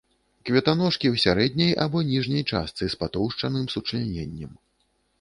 Кветаножкі ў сярэдняй або ніжняй частцы з патоўшчаным сучляненнем.